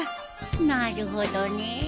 なるほどねえ。